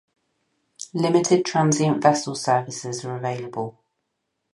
Limited transient vessel services are available.